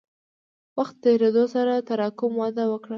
وخت تېرېدو سره تراکم وده وکړه.